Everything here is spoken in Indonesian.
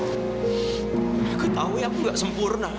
aku tahu ya aku gak sempurna